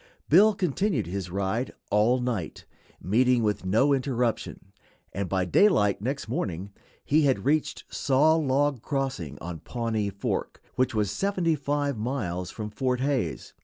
Bill continued his ride all night, meeting with no interruption, and by daylight next morning he had reached Saw Log Crossing, on Pawnee Fork, which was seventy five miles from Fort Hays.